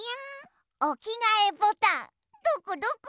おきがえボタンどこどこ？